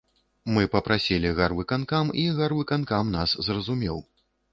Мы папрасілі гарвыканкам, і гарвыканкам нас зразумеў.